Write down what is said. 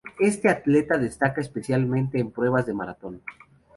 Este atleta se destacaba especialmente en pruebas de Maratón.